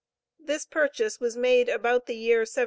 This purchase was made about the year 1715.